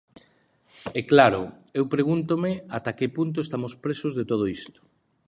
E, claro, eu pregúntome ata que punto estamos presos de todo iso.